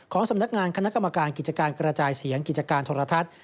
สำนักงานคณะกรรมการกิจการกระจายเสียงกิจการโทรทัศน์